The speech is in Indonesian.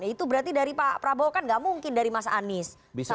itu berarti dari pak prabowo kan gak mungkin dari mas anies